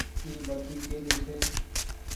اي بتي ڪي ري ڇي۔